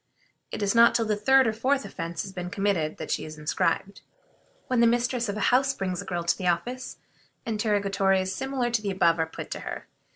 It is not till the third or fourth offense has been committed that she is inscribed. When the mistress of a house brings a girl to the office, interrogatories similar to the above are put to her.